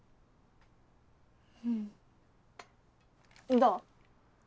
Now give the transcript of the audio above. どう？